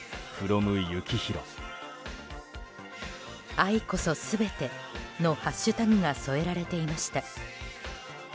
「愛こそすべて」のハッシュタグが添えられていました。